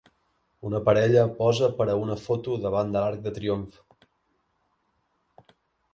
Una parella posa per a una foto davant de l'Arc de triomf.